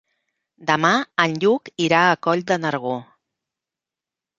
Demà en Lluc irà a Coll de Nargó.